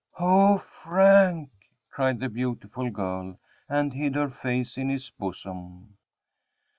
"O Frank!" cried the beautiful girl, and hid her face in his bosom.